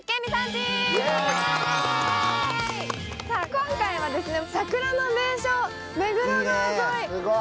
今回は桜の名所、目黒川沿い。